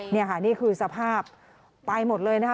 นี่ค่ะนี่คือสภาพไปหมดเลยนะคะ